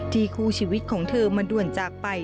คู่ชีวิตของเธอมาด่วนจากไป